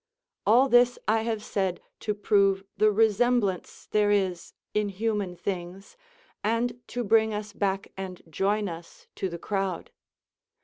All this I have said to prove the resemblance there is in human things, and to bring us back and join us to the crowd.